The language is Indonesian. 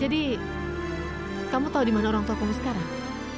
jadi kamu tahu di mana orang tua kamu sekarang